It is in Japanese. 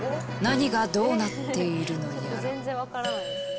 何がどうなっているのやら。